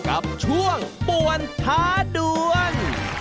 กับช่วงปวนท้าเดือน